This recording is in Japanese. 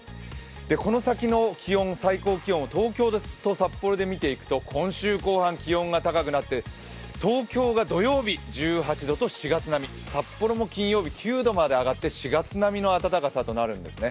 この先の最高気温を東京と札幌で見ていくと今週後半、気温が高くなって、東京が土曜日１８度と４月並み、札幌も金曜日９度と４月並みの暖かさとなるんですね。